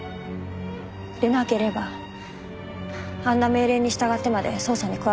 でなければあんな命令に従ってまで捜査に加わったりしません。